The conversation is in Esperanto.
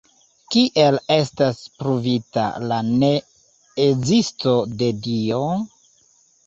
Kiel estas ‘pruvita’ la ne-ezisto de Dio?